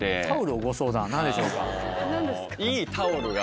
何でしょうか？